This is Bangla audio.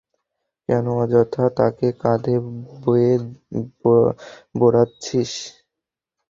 কেন অযথা তাকে কাধে বয়ে বোড়াচ্ছিস?